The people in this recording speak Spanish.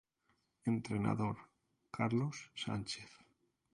Entrenador: Carlos Sánchez